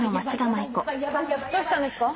どうしたんですか？